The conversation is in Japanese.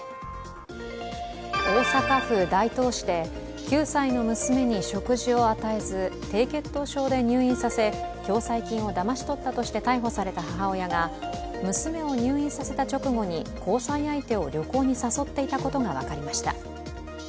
大阪府大東市で、９歳の娘に食事を与えず、低血糖症で入院させ、共済金をだまし取ったとして逮捕された母親が娘を入院させた直後に交際相手を旅行に誘っていたことが分かりました。